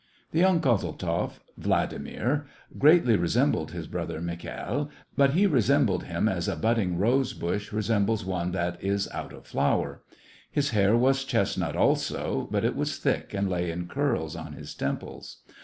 The younger Kozeltzoff, Vladfmir, greatly resem bled his brother Mikhai'l, but he resembled him as a budding rose bush resembles one that is out of flower. His hair was chestnut also, but it was thick and lay in curls on his temples.